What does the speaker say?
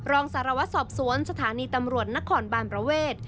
รองสารวัตรสอบสวนสถานีตำรวจนครบานประเวท